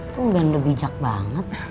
lo udah bijak banget